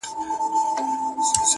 يو څو د ميني افسانې لوستې.